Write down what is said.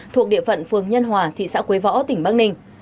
thuộc địa phận phường nhân hòa thị xã quế võ tỉnh bắc ninh